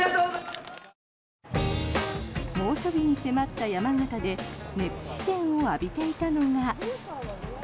猛暑日に迫った山形で熱視線を浴びていたのが。